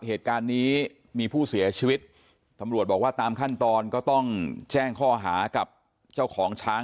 เหตุการณ์นี้มีผู้เสียชีวิตตำรวจบอกว่าตามขั้นตอนก็ต้องแจ้งข้อหากับเจ้าของช้าง